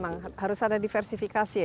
memang harus ada diversifikasi ya